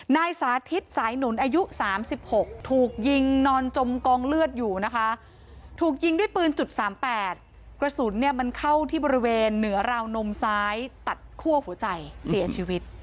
นายสาธิตสายหนุนอายุ๓๖ถูกยิงนอนจมกองเลือดอยู่นะคะถูกยิงด้วยปืน๓๘กระสุนเนี่ยมันเข้าที่บริเวณเหนือราวนมซ้ายตัดคั่วหัวใจเสียชีวิต